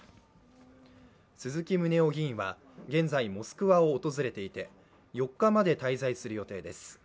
鈴木宗男議員は現在モスクワを訪れていて４日まで滞在する予定です。